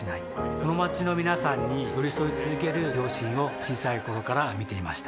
この街の皆さんに寄り添い続ける両親を小さい頃から見ていました